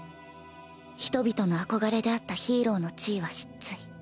人々の憧れであったヒーローの地位は失墜。